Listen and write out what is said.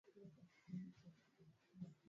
ila wanachokifanya ni kwamba